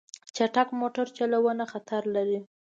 چټک موټر چلوونه خطر لري.